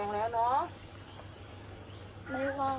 เรียกแล้วนะ